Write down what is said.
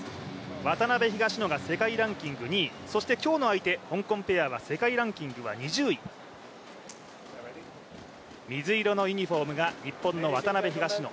渡辺・東野が世界ランキング２位、そして今日の香港ペアが２０位、水色のユニフォームが日本の渡辺・東野。